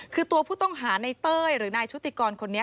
คือตัวผู้ต้องหาในเต้ยหรือนายชุติกรคนนี้